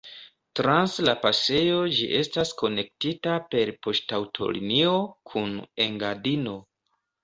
Trans la pasejo ĝi estas konektita per poŝtaŭtolinio kun Engadino.